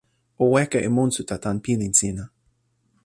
o weka e monsuta tan pilin sina.